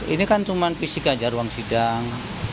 ini kan cuma fisik aja ruang sidang